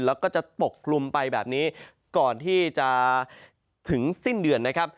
แล้วก็จะปกกลุ่มไปแบบนี้ก่อนที่จะถึงสิ้นเดือนนะครับ